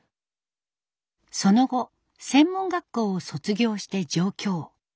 その後専門学校を卒業して上京。